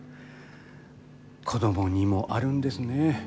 子供にもあるんですね。